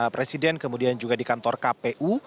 presiden kemudian juga di kantor kpu